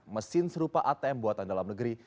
mesin serupa atm buatan dalam negeri